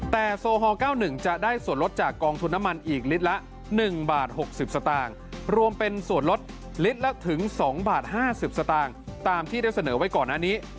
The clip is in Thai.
แต่โซฮอล์เก้าหนึ่งจะได้ส่วนลดจากกองทุนน้ำมันอีกลิตรละหนึ่งบาทหกสิบสตางค์รวมเป็นส่วนลดลิตรละถึงสองบาทห้าสิบสตางค์ตามที่ได้เสนอไว้ก่อนอันนี้